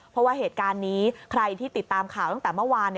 เพราะว่าเหตุการณ์นี้ใครที่ติดตามข่าวตั้งแต่เมื่อวาน